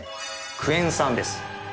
クエン酸です。